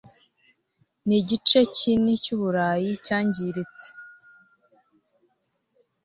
n'igice kini cy'uburayi cyangiritse